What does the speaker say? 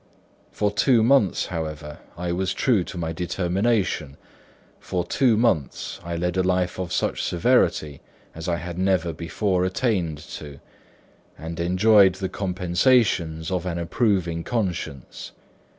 For two months, however, I was true to my determination; for two months, I led a life of such severity as I had never before attained to, and enjoyed the compensations of an approving conscience.